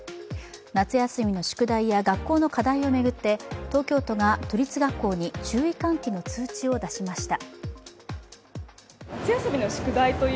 夏休みの宿題や学校の課題を巡って東京都が都立学校に注意喚起の通知を出しました。